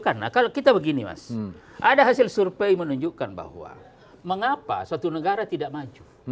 karena kalau kita begini mas ada hasil survei menunjukkan bahwa mengapa suatu negara tidak maju